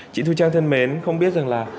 chị thu trang thân mến không biết rằng là